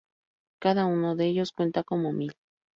Cada uno de ellos cuenta como mil.